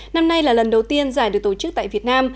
năm nay là lần đầu tiên giải được tổ chức tại việt nam